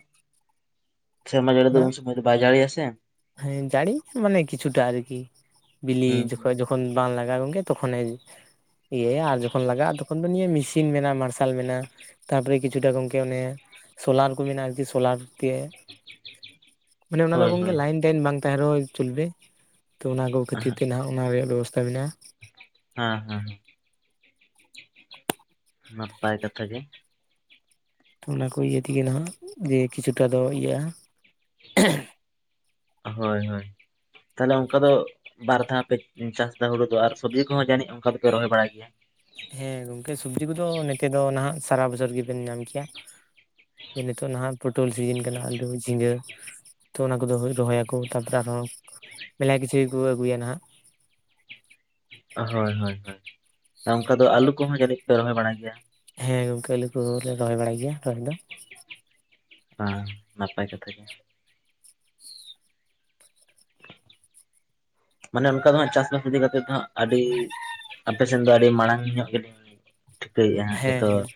ᱥᱮᱨᱢᱟ ᱡᱟᱹᱲᱤ ᱫᱚ
ᱚᱱᱟ
ᱩᱱ ᱥᱩᱢᱳᱭ ᱫᱚ ᱵᱟᱭ ᱡᱟᱲᱤ ᱭᱟᱼᱟ ᱥᱮ
ᱦᱮᱸ ᱡᱟᱹᱲᱤ ᱢᱟᱱᱮ ᱠᱤᱪᱷᱩ ᱴᱟ ᱟᱨᱠᱤ ᱵᱤᱞᱤ
ᱦᱩᱸ
ᱡᱚ
ᱦᱩᱸ
ᱠᱷᱚᱡ ᱡᱚᱠᱷ ᱛᱚ ᱠᱷᱚᱱ ᱵᱟᱝ ᱞᱟᱜᱟᱣ ᱜᱮ ᱛᱚ ᱠᱷᱚᱱᱮ ᱤᱭᱟᱹ ᱭᱟ ᱟᱨ ᱡᱚ ᱠᱷᱚᱱ ᱞᱟᱜᱟᱜᱼᱟ ᱛᱚ ᱠᱷᱚᱱ ᱫᱚ ᱱᱤᱭᱟᱹ ᱢᱤᱥᱤᱱ ᱢᱮᱱᱟᱜᱼᱟ ᱢᱟᱨᱥᱟᱞ ᱢᱮᱱᱟᱜᱼᱟ ᱛᱟᱨ ᱯᱚᱨᱮ ᱠᱤᱪᱷᱩ ᱴᱟ ᱜᱚᱝᱠᱮ ᱚᱱᱮ ᱥᱳᱞᱟᱨ ᱠᱚ ᱢᱮᱱᱟᱜᱼᱟ ᱟᱨᱠᱤ ᱥᱳᱞᱟᱨ ᱛᱮ
[INAUDIBLE]
ᱢᱟᱱᱮ ᱚᱱᱟ ᱫᱚ ᱜᱚᱝᱠᱮ
ᱦᱳᱭ
ᱞᱟᱭᱤᱱ ᱴᱟᱭᱤᱱ ᱵᱟᱝ ᱛᱟᱦᱮᱸᱱ ᱨᱮ ᱦᱚᱸ ᱪᱚᱞ ᱵᱮ ᱛᱚ ᱚᱱᱟ ᱠᱚ ᱠᱷᱟᱹᱛᱤᱨ ᱛᱮ ᱱᱟ ᱦᱟᱸᱜ ᱚᱱᱟ ᱨᱮᱭᱟᱜ ᱵᱮᱵᱚᱥᱛᱟ ᱢᱮᱱᱟᱜᱼᱟ᱾
ᱦᱮᱸ ᱦᱮᱸ᱾ ᱱᱟᱯᱟᱭ ᱠᱟᱛᱷᱟ ᱜᱮ᱾
ᱛᱚ ᱚᱱᱟᱠᱚ ᱤᱭᱟᱹ ᱛᱮᱜᱮ ᱱᱟᱦᱟᱜ ᱡᱮ ᱠᱤᱪᱷᱩᱴᱟ ᱫᱚ ᱤᱭᱟᱹᱜ-ᱟ᱾
ᱦᱳᱭ ᱦᱳᱭ᱾ ᱛᱟᱦᱞᱮ ᱚᱝᱠᱟ ᱫᱚ ᱵᱟᱨ ᱫᱷᱟᱣ ᱯᱮ ᱪᱟᱥ ᱮᱫᱟ ᱦᱩᱲᱩ ᱫᱚ ᱟᱨ ᱥᱚᱵᱽᱡᱤ ᱠᱚᱦᱚᱸ ᱡᱟᱹᱱᱤᱡ ᱚᱱᱠᱟ ᱫᱚᱯᱮ ᱨᱚᱦᱚᱭ ᱵᱟᱲᱟᱭ ᱜᱮᱭᱟ?
ᱦᱮᱸ ᱜᱚᱝᱠᱮ ᱥᱚᱵᱽᱡᱤ ᱠᱚᱫᱚ ᱱᱚᱛᱮ ᱫᱚ ᱱᱟᱦᱟᱸᱜ ᱥᱟᱨᱟ ᱵᱚᱪᱷᱚᱨ ᱜᱮᱵᱮᱱ ᱧᱟᱢ ᱠᱮᱭᱟ᱾ ᱡᱮ ᱱᱤᱛᱚᱜ ᱱᱟᱦᱟᱜ ᱯᱚᱴᱚᱞ ᱥᱤᱡᱤᱱ ᱠᱟᱱᱟ, ᱟᱹᱞᱩ ᱡᱷᱤᱸᱜᱟᱹ, ᱛᱚ, ᱚᱱᱟ ᱠᱚᱫᱚ ᱨᱚᱦᱚᱭᱟᱠᱚ ᱛᱟᱯᱚᱨᱮ ᱟᱨᱦᱚᱸ ᱢᱮᱞᱟ ᱠᱤᱪᱷᱩ ᱜᱮᱠᱚ ᱟᱹᱜᱩᱭᱟ ᱱᱟᱦᱟᱜ᱾
ᱦᱳᱭ ᱦᱳᱭ ᱦᱳᱭ ᱟᱨ ᱚᱝᱠᱟ ᱫᱚ ᱟᱹᱞᱩ ᱠᱚᱦᱚᱸ ᱡᱟᱹᱱᱤᱡ ᱯᱮ ᱨᱚᱦᱚᱭ ᱵᱟᱲᱟᱭ ᱜᱮᱭᱟ᱾
ᱦᱮᱸ ᱜᱚᱝᱠᱮ ᱟᱹᱞᱩ ᱠᱚᱞᱮ ᱨᱚᱦᱚᱭ ᱵᱟᱲᱟᱭ ᱜᱮᱭᱟ ᱨᱚᱦᱚᱭ ᱫᱚ᱾
ᱦᱟᱸ, ᱱᱟᱯᱟᱭ ᱠᱟᱛᱷᱟ ᱜᱮ᱾ ᱢᱟᱱᱮ ᱚᱱᱠᱟ ᱫᱚ ᱦᱟᱸᱜ ᱪᱟᱥᱵᱟᱥ ᱤᱫᱤ ᱠᱟᱛᱮᱫ ᱫᱚ ᱦᱟᱸᱜ ᱟᱹᱰᱤ ᱟᱯᱮ ᱥᱮᱱ ᱫᱚ ᱟᱹᱰᱤ ᱢᱟᱲᱟᱝ ᱧᱚᱜ ᱜᱮᱞᱤᱧ ᱴᱷᱤᱠᱟᱹᱭᱮᱜ-ᱟ ᱦᱟᱸᱜ
ᱦᱮᱸ
ᱡᱚᱛᱚ
ᱦᱮᱸ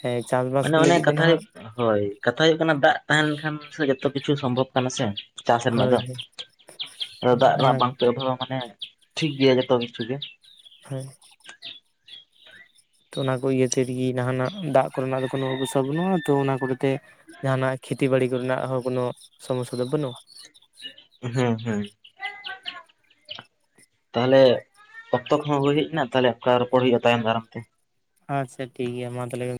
ᱦᱮᱸ ᱪᱟᱥᱵᱟᱥ
ᱢᱟᱱᱮ
ᱠᱚ
ᱚᱱᱮ
ᱞᱟᱹᱜᱤᱫ ᱫᱚ
ᱠᱟᱛᱷᱟ
ᱱᱟᱦᱟᱜ
ᱦᱩᱭᱩᱜ ᱦᱳᱭ, ᱠᱟᱛᱷᱟ ᱦᱩᱭᱩᱜ ᱠᱟᱱᱟ ᱫᱟᱜ ᱛᱟᱦᱮᱸ ᱞᱮᱱ ᱠᱷᱟᱱ ᱡᱚᱛᱚ ᱠᱤᱪᱷᱩ ᱥᱚᱢᱵᱷᱚᱵᱽ ᱠᱟᱱᱟ ᱥᱮ᱾ ᱪᱟᱥ ᱨᱮᱱᱟᱜ ᱫᱚ,
ᱦᱳᱭ ᱦᱳᱭ
ᱟᱫᱚ ᱫᱟᱜ ᱨᱮᱱᱟᱜ
ᱚᱱᱟ
ᱵᱟᱝ᱾ [UNINTELLIGIBLE] ᱢᱟᱱᱮ ᱴᱷᱤᱠ ᱜᱮᱭᱟ ᱡᱚᱛᱚ ᱠᱤᱪᱷᱩ ᱜᱮ᱾
ᱦᱮᱸ᱾ ᱛᱚ ᱚᱱᱟ ᱠᱚ ᱤᱭᱟᱹ ᱛᱮᱫᱜᱮ ᱱᱟᱦᱟᱱᱟᱜ ᱫᱟᱜ ᱠᱚᱨᱮᱱᱟᱜ ᱫᱚ ᱠᱚᱱᱳ ᱚᱵᱚᱥᱥᱟ ᱵᱟᱹᱱᱩᱜ-ᱟ᱾ ᱛᱚ, ᱚᱱᱟ ᱠᱚᱨᱮᱛᱮ ᱡᱟᱦᱟᱱᱟᱜ ᱠᱷᱮᱛᱤ ᱵᱟᱲᱤ ᱠᱚᱨᱮᱱᱟᱜ ᱦᱚᱸ ᱠᱚᱱᱳ ᱥᱚᱢᱚᱥᱥᱟ ᱫᱚ ᱵᱟᱹᱱᱩᱜ-ᱟ᱾
ᱦᱩᱸ ᱦᱩᱸ᱾ ᱛᱟᱦᱞᱮ ᱚᱠᱛᱚ ᱠᱚᱦᱚᱸ ᱦᱩᱭ ᱦᱮᱡ ᱮᱱᱟ ᱛᱟᱦᱞᱮ ᱚᱱᱠᱟ ᱨᱚᱯᱚᱲ ᱦᱩᱭᱩᱜ-ᱟ ᱛᱟᱭᱚᱢ ᱫᱟᱨᱟᱢ ᱛᱮ᱾
ᱟᱪᱪᱷᱟ ᱴᱷᱤᱠ ᱜᱮᱭᱟ ᱢᱟ ᱛᱟᱦᱞᱮ᱾